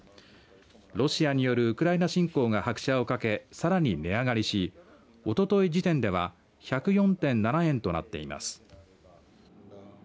ロシアによるウクライナ侵攻が拍車をかけさらに値上がりしおととい時点では１０４．７円となっています。